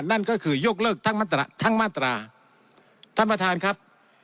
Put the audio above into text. นั่นก็คือยกเลิกทั้งมาตราท่านประธานครับ